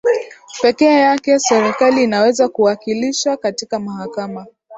pekee yake serikali inaweza kuwakilisha katika mahakama